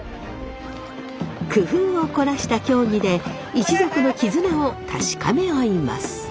工夫を凝らした競技で一族の絆を確かめ合います。